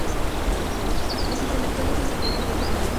Los intelectuales le seguían teniendo miedo.